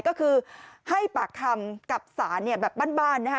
ก็คือให้ปากคำกับศาลแบบบ้านนะคะ